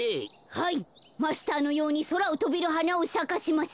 はいマスターのようにそらをとべるはなをさかせます。